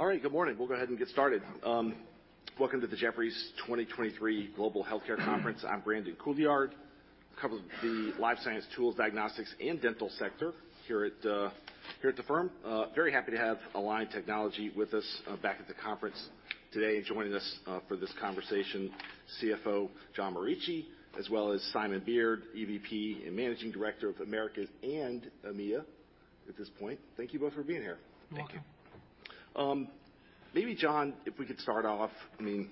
All right, good morning. We'll go ahead and get started. Welcome to the Jefferies 2023 Global Health Care Conference. I'm Brandon Couillard, cover the life science, tools, diagnostics, and dental sector here at the firm. Very happy to have Align Technology with us, back at the conference today. Joining us for this conversation, CFO John Morici, as well as Simon Beard, EVP and Managing Director of Americas and EMEA, at this point. Thank you both for being here. Thank you. You're welcome. Maybe, John, if we could start off, I mean,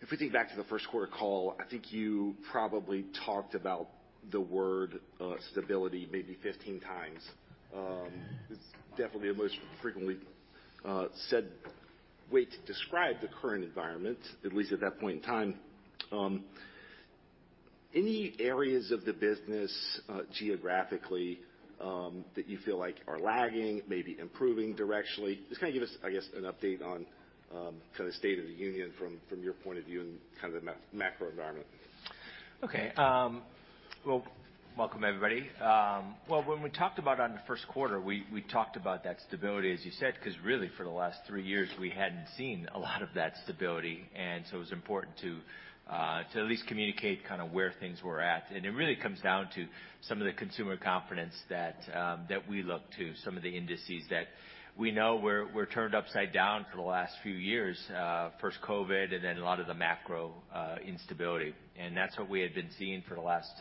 if we think back to the first quarter call, I think you probably talked about the word, stability, maybe 15 times. It's definitely the most frequently said way to describe the current environment, at least at that point in time. Any areas of the business, geographically, that you feel like are lagging, maybe improving directionally? Just kind of give us, I guess, an update on, kind of state of the union from your point of view and kind of the macro environment. Okay, well, welcome, everybody. Well, when we talked about on the first quarter, we talked about that stability, as you said, 'cause really, for the last three years, we hadn't seen a lot of that stability. It was important to at least communicate kind of where things were at. It really comes down to some of the consumer confidence that we look to, some of the indices that we know were turned upside down for the last few years. First COVID, a lot of the macro instability. That's what we had been seeing for the last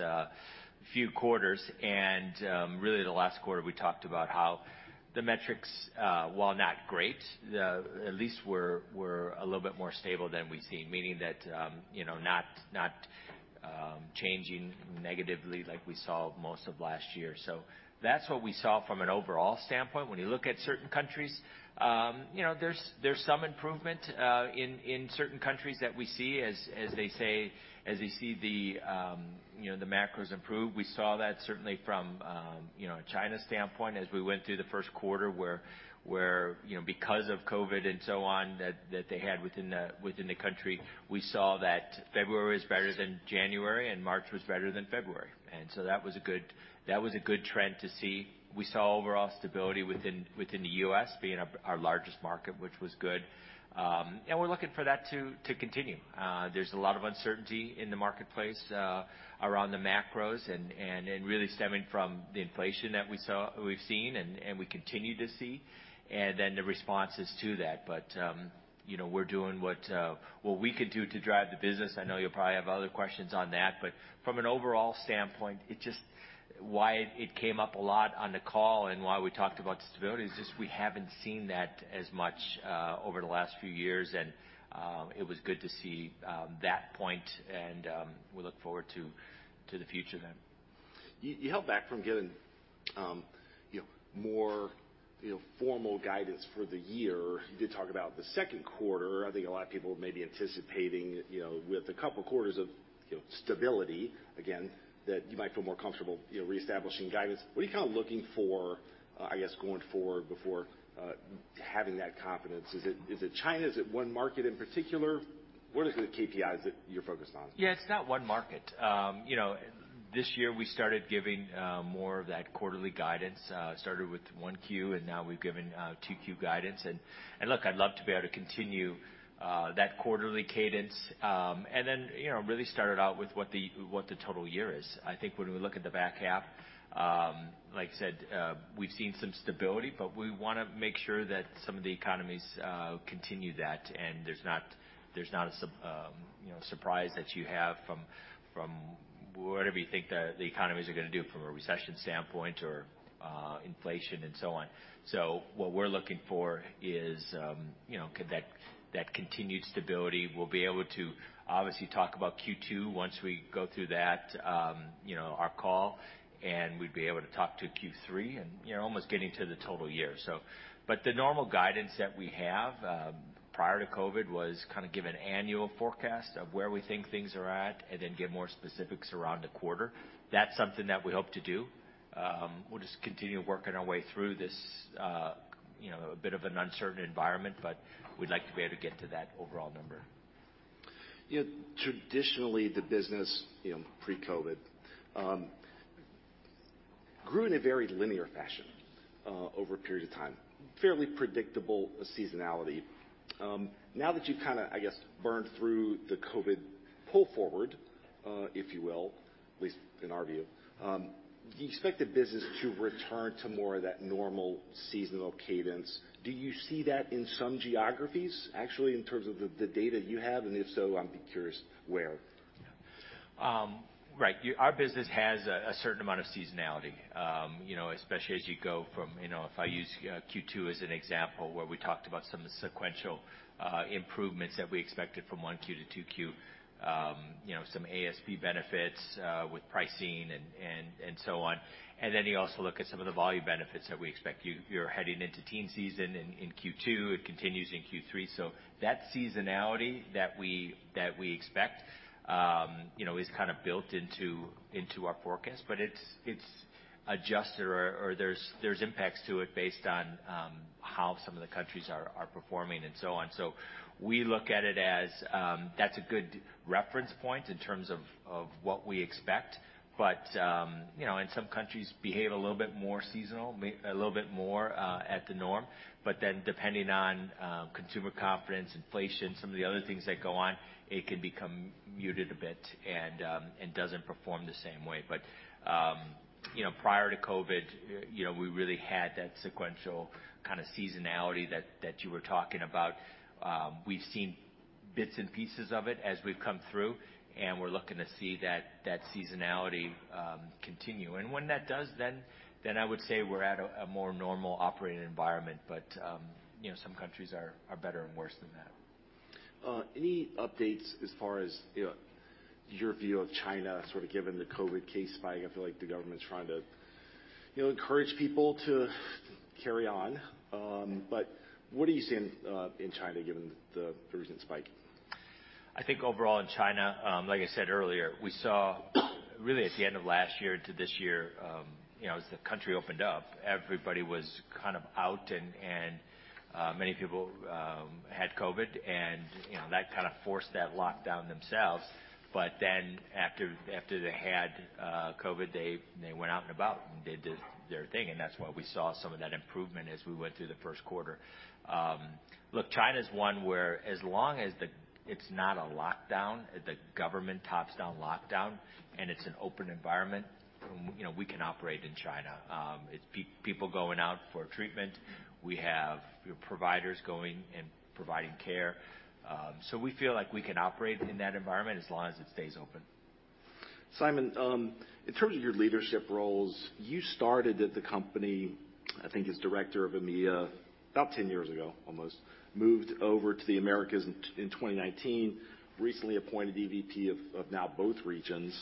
few quarters, really, the last quarter, we talked about how the metrics, while not great, at least were a little bit more stable than we've seen. Meaning that, you know, not changing negatively like we saw most of last year. That's what we saw from an overall standpoint. When you look at certain countries, you know, there's some improvement in certain countries that we see as they see the, you know, the macros improve. We saw that certainly from, you know, a China standpoint as we went through the first quarter, where, you know, because of COVID and so on, that they had within the country, we saw that February was better than January, and March was better than February. That was a good trend to see. We saw overall stability within the U.S. being our largest market, which was good. We're looking for that to continue. There's a lot of uncertainty in the marketplace, around the macros and really stemming from the inflation that we've seen and we continue to see, and then the responses to that. You know, we're doing what we can do to drive the business. I know you'll probably have other questions on that, but from an overall standpoint, why it came up a lot on the call and why we talked about stability, is just we haven't seen that as much over the last few years, and it was good to see that point, and we look forward to the future then. You held back from giving, you know, more, you know, formal guidance for the year. You did talk about the second quarter. I think a lot of people may be anticipating, you know, with a couple quarters of, you know, stability, again, that you might feel more comfortable, you know, reestablishing guidance. What are you kind of looking for, I guess, going forward before having that confidence? Is it China? Is it one market in particular? What are the KPIs that you're focused on? Yeah, it's not 1 market. you know, this year we started giving more of that quarterly guidance. It started with 1Q, now we've given 2Q guidance. Look, I'd love to be able to continue that quarterly cadence, and then, you know, really start it out with what the, what the total year is. I think when we look at the back half, like I said, we've seen some stability, but we wanna make sure that some of the economies continue that, and there's not a you know, surprise that you have from whatever you think the economies are gonna do from a recession standpoint or inflation and so on. What we're looking for is, you know, that continued stability. We'll be able to obviously talk about Q2 once we go through that, you know, our call, and we'd be able to talk to Q3 and, you know, almost getting to the total year. The normal guidance that we have, prior to COVID, was kind of give an annual forecast of where we think things are at, and then give more specifics around the quarter. That's something that we hope to do. We'll just continue working our way through this, you know, a bit of an uncertain environment, but we'd like to be able to get to that overall number. You know, traditionally, the business, you know, pre-COVID, grew in a very linear fashion, over a period of time, fairly predictable seasonality. Now that you've kind of, I guess, burned through the COVID pull forward, if you will, at least in our view, do you expect the business to return to more of that normal seasonal cadence? Do you see that in some geographies, actually, in terms of the data you have? If so, I'd be curious where? Right. Our business has a certain amount of seasonality. You know, especially as you go from, you know, if I use Q2 as an example, where we talked about some of the sequential improvements that we expected from 1Q to 2Q. You know, some ASP benefits with pricing and so on. You also look at some of the volume benefits that we expect. You're heading into teen season in Q2, it continues in Q3.So that seasonality that we expect, you know, is kind of built into our forecast, it's adjusted or there's impacts to it based on how some of the countries are performing and so on. We look at it as, that's a good reference point in terms of what we expect. You know, and some countries behave a little bit more seasonal, a little bit more at the norm. Depending on consumer confidence, inflation, some of the other things that go on, it can become muted a bit and doesn't perform the same way. You know, prior to COVID, you know, we really had that sequential kind of seasonality that you were talking about. We've seen bits and pieces of it as we've come through, and we're looking to see that seasonality continue. When that does, then I would say we're at a more normal operating environment. You know, some countries are better and worse than that. Any updates as far as, you know, your view of China, sort of given the COVID case spike? I feel like the government's trying to, you know, encourage people to carry on, but what are you seeing in China, given the recent spike? I think overall in China, like I said earlier, we saw really at the end of last year to this year, as the country opened up, everybody was kind of out, and many people had COVID, and that kind of forced that lockdown themselves. After they had COVID, they went out and about, and they did their thing, and that's why we saw some of that improvement as we went through the first quarter. Look, China's one where as long as it's not a lockdown, the government tops down lockdown, and it's an open environment, we can operate in China. It's people going out for treatment. We have providers going and providing care. We feel like we can operate in that environment as long as it stays open. Simon, in terms of your leadership roles, you started at the company, I think, as Director of EMEA, about 10 years ago, almost. Moved over to the Americas in 2019, recently appointed EVP of now both regions.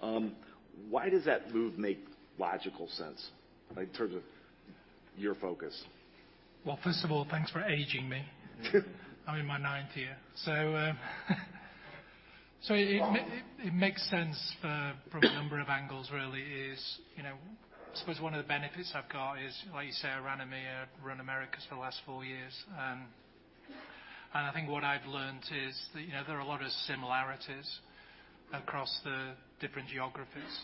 Why does that move make logical sense, like, in terms of your focus? Well, first of all, thanks for aging me. I'm in my ninth year. It makes sense from a number of angles, really. You know, I suppose one of the benefits I've got is, like you say, I ran EMEA, ran Americas for the last four years. I think what I've learned is that, you know, there are a lot of similarities across the different geographies.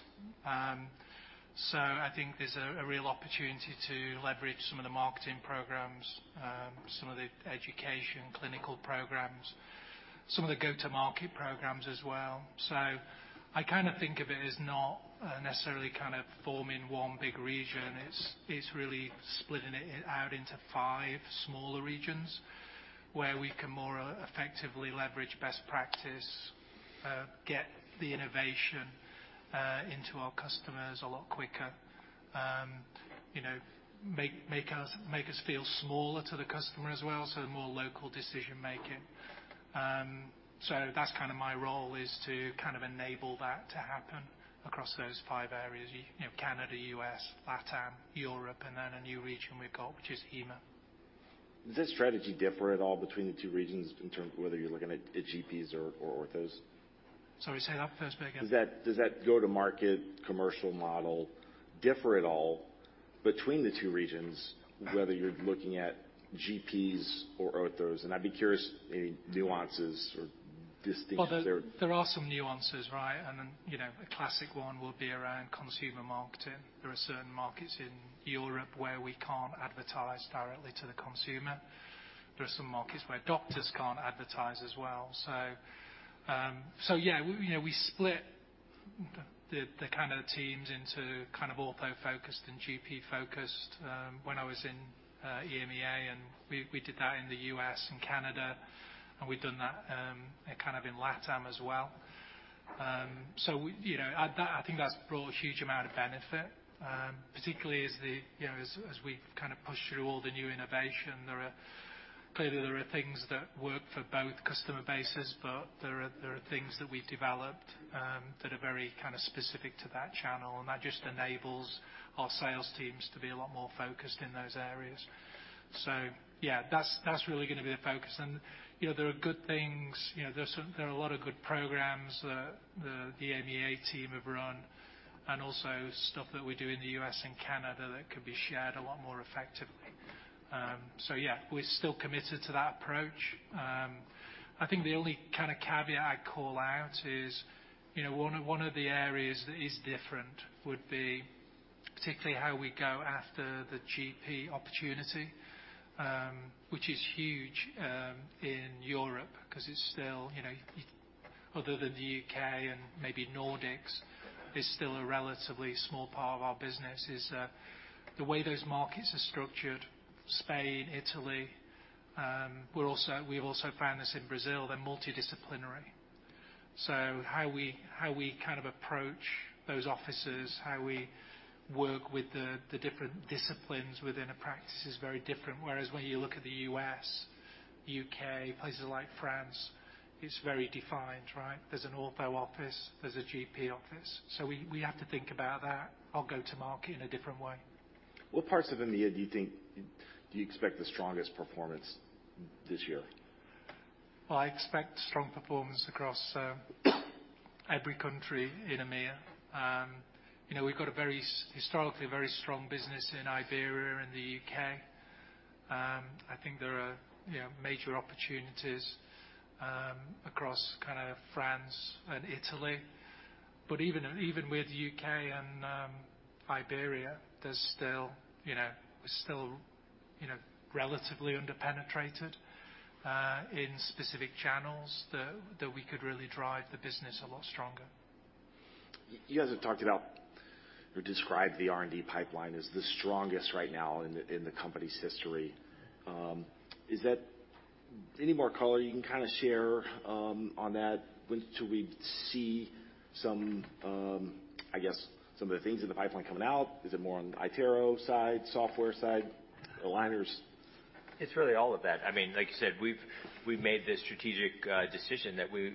I kind of think of it as not necessarily kind of forming one big region. It's really splitting it out into 5 smaller regions, where we can more effectively leverage best practice, get the innovation into our customers a lot quicker. You know, make us feel smaller to the customer as well, so more local decision making. That's kind of my role, is to kind of enable that to happen across those 5 areas, you know, Canada, US, LATAM, Europe, and then a new region we've got, which is EMEA. Does this strategy differ at all between the two regions in terms of whether you're looking at GPs or orthos? Sorry, say that first bit again. Does that go-to-market commercial model differ at all between the two regions, whether you're looking at GPs or others? I'd be curious, any nuances or distinctions there. Well, there are some nuances, right. You know, a classic one will be around consumer marketing. There are certain markets in Europe where we can't advertise directly to the consumer. There are some markets where doctors can't advertise as well. Yeah, we, you know, we split the, kind of the teams into kind of ortho-focused and GP-focused, when I was in EMEA, and we did that in the US and Canada, and we've done that, kind of in LATAM as well. We, you know, at that, I think that's brought a huge amount of benefit, particularly as the, you know, as we kind of push through all the new innovation. Clearly, there are things that work for both customer bases, but there are things that we've developed, that are very kind of specific to that channel, and that just enables our sales teams to be a lot more focused in those areas. Yeah, that's really gonna be the focus. You know, there are good things, you know, there's some, there are a lot of good programs that the EMEA team have run, and also stuff that we do in the US and Canada that could be shared a lot more effectively. Yeah, we're still committed to that approach. I think the only kind of caveat I'd call out is, you know, one of the areas that is different would be particularly how we go after the GP opportunity. Which is huge, in Europe, because it's still, you know, other than the U.K. and maybe Nordics, is still a relatively small part of our business, is the way those markets are structured, Spain, Italy, we've also found this in Brazil, they're multidisciplinary. How we kind of approach those offices, how we work with the different disciplines within a practice is very different. Whereas when you look at the U.S., U.K., places like France, it's very defined, right? There's an ortho office, there's a GP office. We have to think about that or go to market in a different way. What parts of EMEA do you think, do you expect the strongest performance this year? Well, I expect strong performance across, every country in EMEA. You know, we've got a very, historically, very strong business in Iberia and the UK. I think there are, you know, major opportunities, across kind of France and Italy. Even with UK and Iberia, there's still, you know, relatively under-penetrated, in specific channels that we could really drive the business a lot stronger. You guys have talked about or described the R&D pipeline as the strongest right now in the company's history. Any more color you can kind of share on that? When should we see some, I guess, some of the things in the pipeline coming out? Is it more on the iTero side, software side, aligners? It's really all of that. I mean, like you said, we've made the strategic decision that we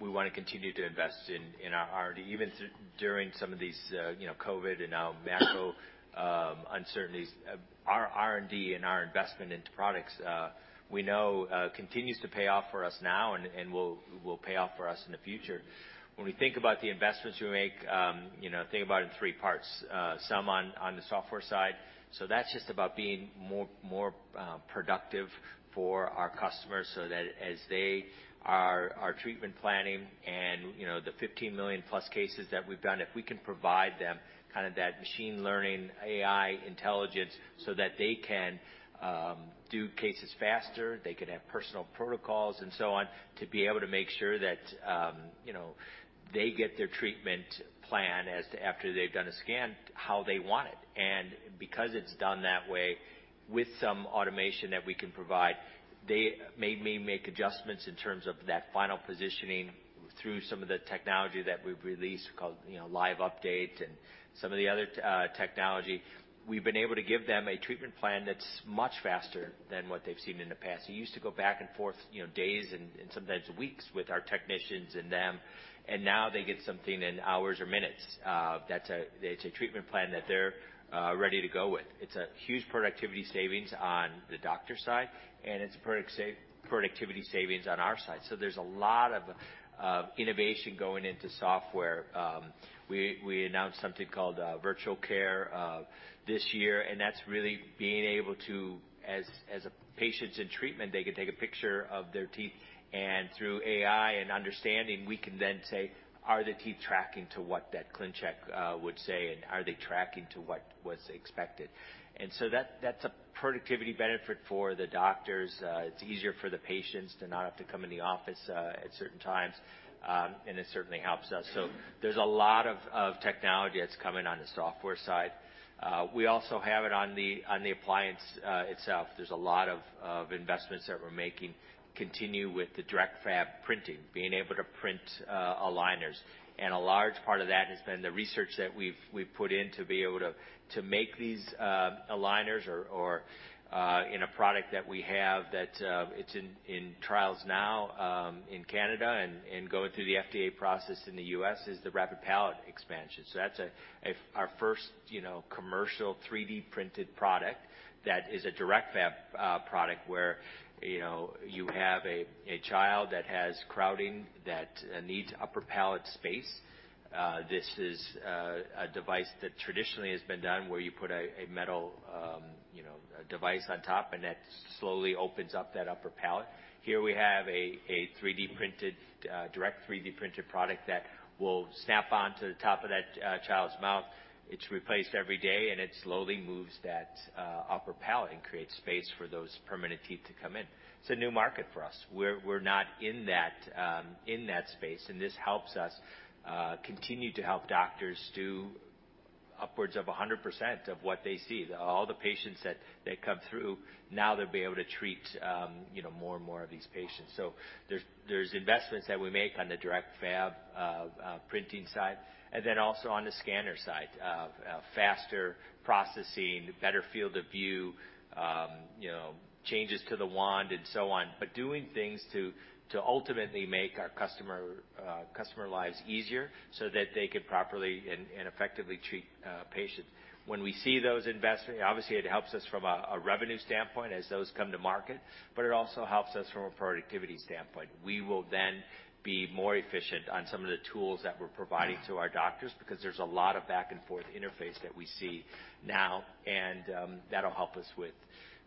wanna continue to invest in our R&D, even during some of these, you know, COVID and now macro uncertainties. Our R&D and our investment into products, we know, continues to pay off for us now and will pay off for us in the future. When we think about the investments we make, you know, think about it in three parts. Some on the software side, so that's just about being more productive for our customers so that as they are treatment planning and, you know, the 15 million plus cases that we've done, if we can provide them kind of that machine learning, AI intelligence so that they can do cases faster, they could have personal protocols and so on, to be able to make sure that, you know, they get their treatment plan as to after they've done a scan, how they want it. Because it's done that way, with some automation that we can provide, they may make adjustments in terms of that final positioning through some of the technology that we've released, called, you know, Live Update and some of the other technology. We've been able to give them a treatment plan that's much faster than what they've seen in the past. It used to go back and forth, you know, days and sometimes weeks with our technicians and them, and now they get something in hours or minutes. That's a treatment plan that they're ready to go with. It's a huge productivity savings on the doctor side, and it's productivity savings on our side. There's a lot of innovation going into software. We announced something called Virtual Care this year, that's really being able to, as a patient's in treatment, they can take a picture of their teeth, and through AI and understanding, we can then say, "Are the teeth tracking to what that ClinCheck would say, and are they tracking to what was expected?" That's a productivity benefit for the doctors. It's easier for the patients to not have to come in the office at certain times, it certainly helps us. There's a lot of technology that's coming on the software side. We also have it on the appliance itself. There's a lot of investments that we're making, continue with the direct fab printing, being able to print aligners.A large part of that has been the research that we've put in to be able to make these aligners or in a product that we have that it's in trials now in Canada and going through the FDA process in the U.S., is the rapid palate expansion. That's our first, you know, commercial 3D printed product that is a direct fab product where, you know, you have a child that has crowding, that needs upper palate space. This is a device that traditionally has been done, where you put a metal, you know, a device on top, that slowly opens up that upper palate. Here we have a 3D printed, direct 3D printed product that will snap on to the top of that child's mouth. It's replaced every day, it slowly moves that upper palate and creates space for those permanent teeth to come in. It's a new market for us. We're not in that space, this helps us continue to help doctors do upwards of 100% of what they see. All the patients that come through, now they'll be able to treat, you know, more and more of these patients. There's investments that we make on the direct fab printing side, also on the scanner side, faster processing, better field of view, you know, changes to the wand and so on. Doing things to ultimately make our customer lives easier so that they could properly and effectively treat patients. When we see those investments, obviously, it helps us from a revenue standpoint as those come to market, but it also helps us from a productivity standpoint. We will then be more efficient on some of the tools that we're providing to our doctors, because there's a lot of back and forth interface that we see now, and that'll help us with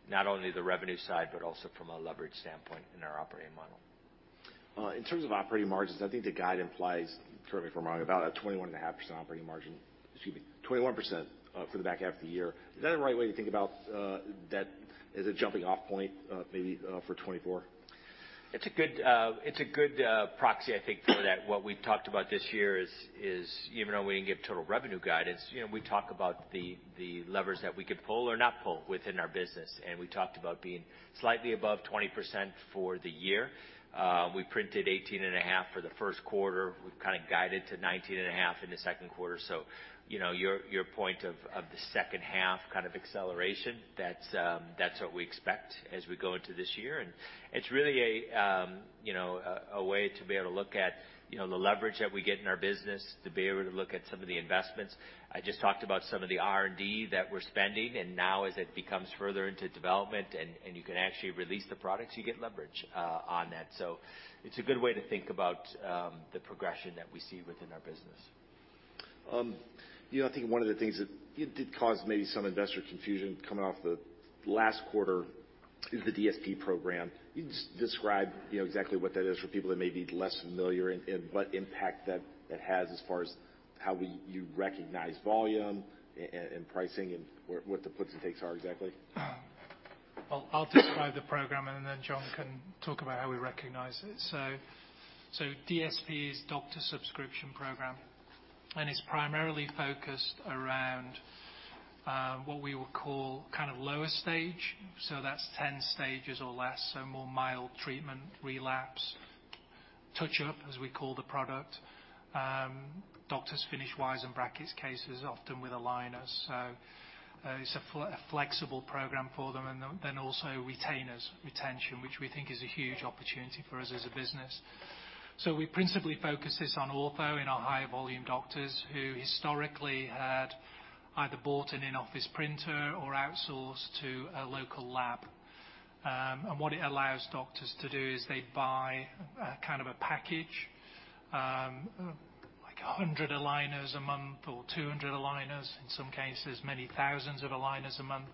not only the revenue side, but also from a leverage standpoint in our operating model. In terms of operating margins, I think the guide implies, correct me if I'm wrong, about a 21.5% operating margin, excuse me, 21%, for the back half of the year. Is that a right way to think about, that as a jumping off point, maybe, for 2024? It's a good proxy, I think, for that. What we've talked about this year is even though we didn't give total revenue guidance, you know, we talk about the levers that we could pull or not pull within our business, and we talked about being slightly above 20% for the year. We printed 18.5% for the first quarter. We've kind of guided to 19.5% in the second quarter. You know, your point of the second half kind of acceleration, that's what we expect as we go into this year. It's really a, you know, a way to be able to look at, you know, the leverage that we get in our business, to be able to look at some of the investments. I just talked about some of the R&D that we're spending, now as it becomes further into development and you can actually release the products, you get leverage on that. It's a good way to think about the progression that we see within our business. you know, I think one of the things that it did cause maybe some investor confusion coming off the last quarter is the DSP program. Can you just describe, you know, exactly what that is for people that may be less familiar and, what impact that it has as far as how you recognize volume and pricing and what the puts and takes are exactly? Well, I'll describe the program, John can talk about how we recognize it. DSP is Doctor Subscription Program, and it's primarily focused around what we would call kind of lower stage, that's 10 stages or less, more mild treatment, relapse, touch-up, as we call the product. Doctors finish wires and brackets cases, often with aligners. It's a flexible program for them, and then also retainers, retention, which we think is a huge opportunity for us as a business. We principally focus this on ortho, in our high-volume doctors, who historically had either bought an in-office printer or outsourced to a local lab. What it allows doctors to do is they buy kind of a package, like 100 aligners a month or 200 aligners, in some cases, many thousands of aligners a month.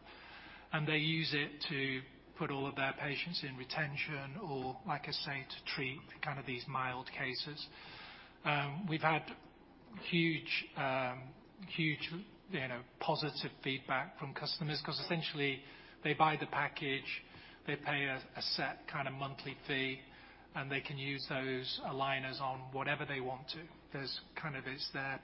They use it to put all of their patients in retention or, like I say, to treat kind of these mild cases. We've had huge, you know, positive feedback from customers, 'cause essentially, they buy the package, they pay a set kind of monthly fee, and they can use those aligners on whatever they want to. It's their,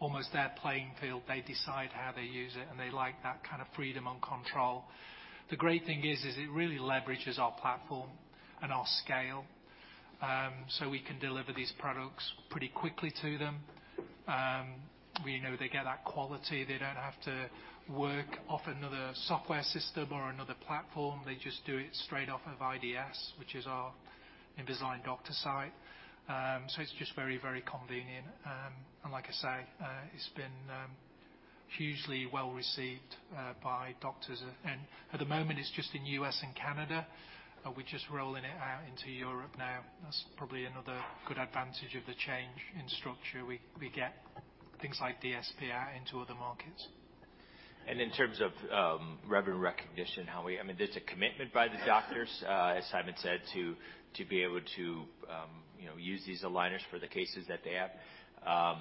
almost their playing field. They decide how they use it, and they like that kind of freedom and control. The great thing is it really leverages our platform and our scale, so we can deliver these products pretty quickly to them. We know they get that quality. They don't have to work off another software system or another platform. They just do it straight off of IDS, which is our Invisalign Doctor Site. It's just very, very convenient. Like I say, it's been hugely well-received by doctors. At the moment, it's just in U.S. and Canada, but we're just rolling it out into Europe now. That's probably another good advantage of the change in structure. We get things like DSP out into other markets. In terms of revenue recognition, how we I mean, there's a commitment by the doctors, as Simon said, to be able to, you know, use these aligners for the cases that they have.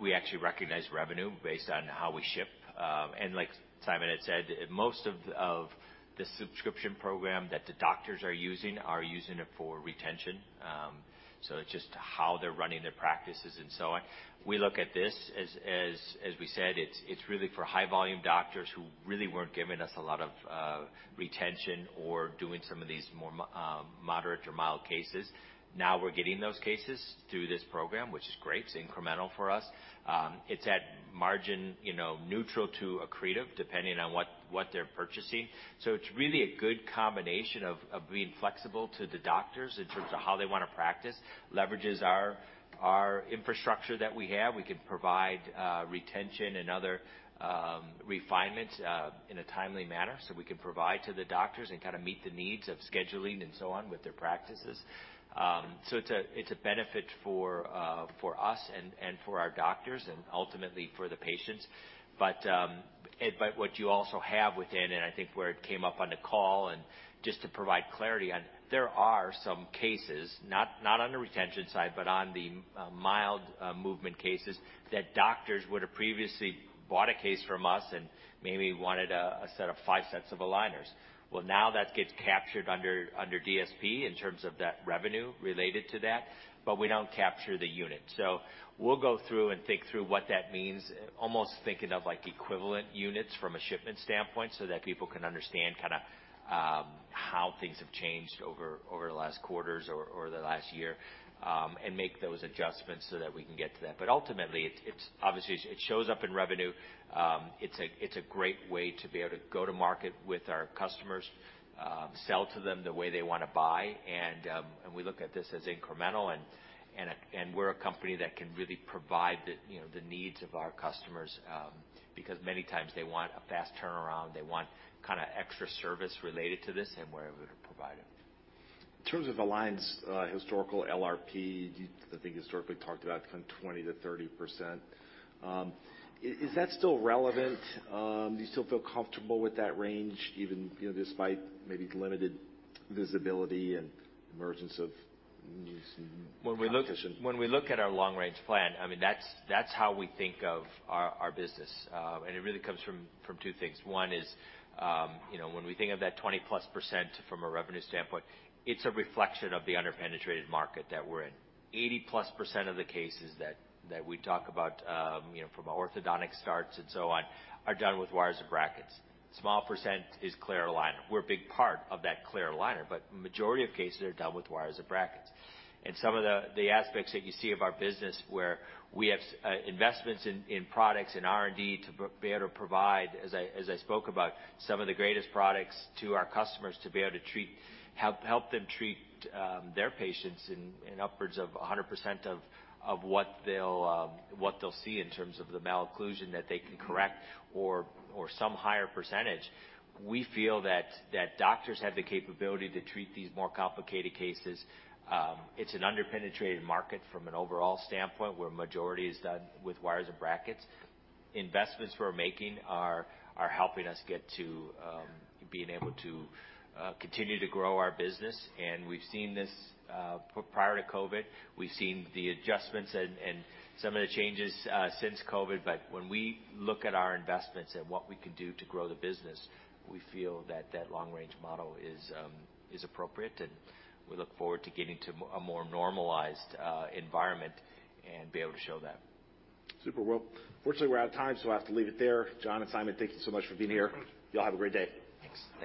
We actually recognize revenue based on how we ship. Like Simon had said, most of the subscription program that the doctors are using, are using it for retention. It's just how they're running their practices and so on. We look at this as we said, it's really for high-volume doctors who really weren't giving us a lot of retention or doing some of these more moderate or mild cases. Now, we're getting those cases through this program, which is great. It's incremental for us. It's at margin, you know, neutral to accretive, depending on what they're purchasing.It's really a good combination of being flexible to the doctors in terms of how they wanna practice, leverages our infrastructure that we have. We can provide retention and other refinements in a timely manner, so we can provide to the doctors and kind of meet the needs of scheduling and so on, with their practices. It's a benefit for us and for our doctors and ultimately for the patients. What you also have within, and I think where it came up on the call, and just to provide clarity on, there are some cases, not on the retention side, but on the mild movement cases, that doctors would have previously bought a case from us and maybe wanted a set of five sets of aligners. Now that gets captured under DSP in terms of that revenue related to that, but we don't capture the unit. We'll go through and think through what that means, almost thinking of like equivalent units from a shipment standpoint, so that people can understand kinda, how things have changed over the last quarters or the last year, and make those adjustments so that we can get to that. Ultimately, it's obviously, it shows up in revenue. It's a great way to be able to go to market with our customers, sell to them the way they wanna buy, and we look at this as incremental, and we're a company that can really provide the, you know, the needs of our customers, because many times they want a fast turnaround, they want kinda extra service related to this, and we're able to provide it. In terms of Align's historical LRP, I think historically talked about from 20%-30%. Is that still relevant? Do you still feel comfortable with that range, even, you know, despite maybe limited visibility and emergence of new competition? When we look at our long-range plan, I mean, that's how we think of our business. It really comes from two things. One is, you know, when we think of that 20+% from a revenue standpoint, it's a reflection of the underpenetrated market that we're in. 80+% of the cases that we talk about, you know, from orthodontic starts and so on, are done with wires and brackets. Small percent is clear aligner. We're a big part of that clear aligner, but majority of cases are done with wires and brackets. Some of the aspects that you see of our business, where we have investments in products and R&D to be able to provide, as I spoke about, some of the greatest products to our customers to be able to help them treat their patients in upwards of 100% of what they'll see in terms of the malocclusion that they can correct, or some higher percentage. We feel that doctors have the capability to treat these more complicated cases. It's an underpenetrated market from an overall standpoint, where majority is done with wires and brackets. Investments we're making are helping us get to being able to continue to grow our business, and we've seen this prior to COVID.We've seen the adjustments and some of the changes since COVID. When we look at our investments and what we can do to grow the business, we feel that that long-range model is appropriate, and we look forward to getting to a more normalized environment and be able to show that. Super. Well, unfortunately, we're out of time, so I have to leave it there. John and Simon, thank you so much for being here. You all have a great day. Thanks.